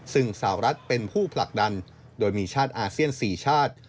ซึ่งสาวรัฐเป็นผู้ผลักดันโดยมีชาติอาเซียน๔ชาติ